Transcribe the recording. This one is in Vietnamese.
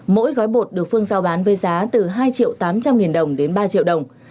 mỗi gói bột được phương giao bán với giá từ hai triệu tám trăm linh nghìn đồng đến ba triệu đồng